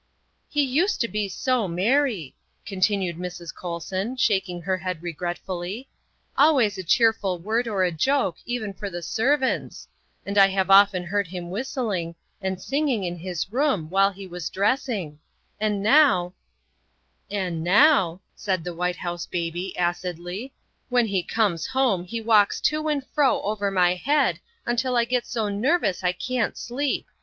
''' He used to be so merry," continued Mrs. Colson, shaking her head regretfully; " always a cheerful word or a joke even for the servants, and I have often heard him whistling and singing in his room while he was dressing, and now ' "And now," said the White House Baby acidly, THE SECRETARY OF STATE 173 " when he comes home he walks to and fro over my head until I get so nervous I can 't sleep.